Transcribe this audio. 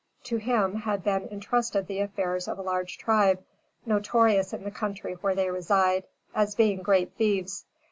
To him had been intrusted the affairs of a large tribe, notorious in the country where they reside, as being great thieves.